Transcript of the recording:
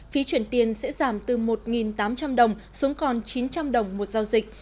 phí chuyển tiền sẽ giảm từ một tám trăm linh đồng xuống còn chín trăm linh đồng một giao dịch